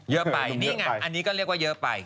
เยอะไปนี่ไงอันนี้ก็เรียกว่าเยอะไป